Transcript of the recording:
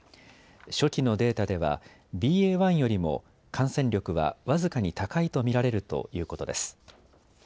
初期のデータでは、ＢＡ．１よりも感染力は僅かに高いと見られるということです。